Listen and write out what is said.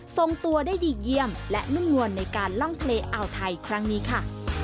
ส่งตัวได้ดีเยี่ยมและนุ่มนวลในการล่องทะเลอ่าวไทยครั้งนี้ค่ะ